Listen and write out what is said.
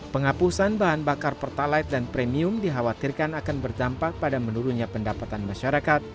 penghapusan bahan bakar pertalite dan premium dikhawatirkan akan berdampak pada menurunnya pendapatan masyarakat